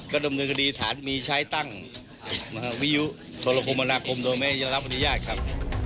ดำเนินคดีฐานมีใช้ตั้งวิยุโทรคมมนาคมโดยไม่ได้รับอนุญาตครับ